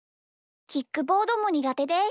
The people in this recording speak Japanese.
キックボードもにがてです。